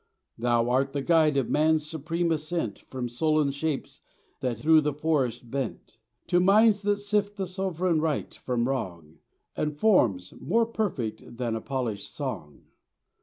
Thou art the Guide of man's supreme ascent From sullen shapes that through the forest bent, To minds that sift the sovran right from wrong And forms more perfect than a polished song.